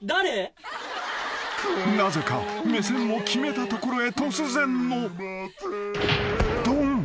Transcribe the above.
［なぜか目線を決めたところへ突然のドン］